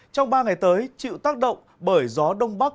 trong ba ngày tới chịu tác động bởi gió đông bắc